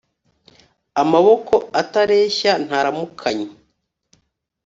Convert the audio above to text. amaboko atareshya ntaramukanyi